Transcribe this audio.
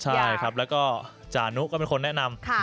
ใช่ครับแล้วก็จานุก็เป็นคนแนะนำ